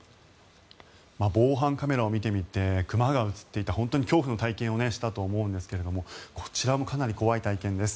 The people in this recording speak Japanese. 防犯カメラを見てみて熊が映っていて本当に恐怖の体験をしたと思うんですがこちらもかなり怖い体験です。